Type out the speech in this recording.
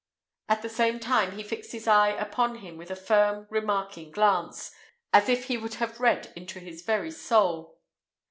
At the same time he fixed his eye upon him with a firm, remarking glance, as if he would have read into his very soul.